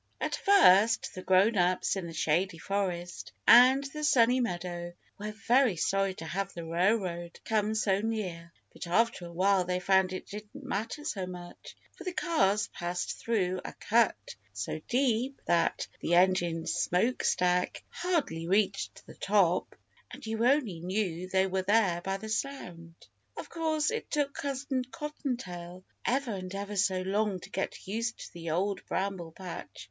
AT first the Grown ups in the Shady Forest and the Sunny Meadow were very sorry to have the railroad come so near, but after a while they found it didn't matter so much; for the cars passed through a "cut" so deep that the engine's smokestack hardly reached the top, and you only knew they were there by the sound. Of course, it took Cousin Cotton Tail ever and ever so long to get used to the Old Bramble Patch.